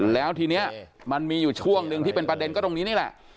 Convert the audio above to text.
แล้วทีนี้มันมีอยู่ช่วงหนึ่งที่เป็นประเด็นก็ตรงนี้นี่แหละ